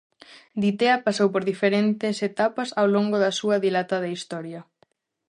Ditea pasou por diferentes etapas ao longo da súa dilatada historia.